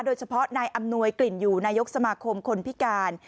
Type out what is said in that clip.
โดยเฉพาะนายอำนวยกลิ่นอยู่นายกสมาคมคนพิการ